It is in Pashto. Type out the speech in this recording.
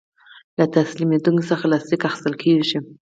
له تسلیمیدونکي څخه لاسلیک اخیستل کیږي.